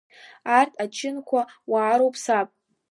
Арҭ ачынқәа уаароуп, саб!